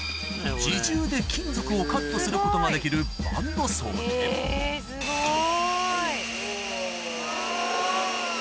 自重で金属をカットすることができるバンドソーでえすごい。